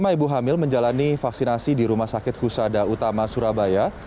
lima ibu hamil menjalani vaksinasi di rumah sakit husada utama surabaya